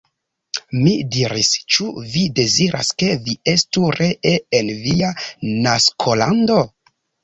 Mi diris, Ĉu vi deziras, ke vi estu ree en via naskolando?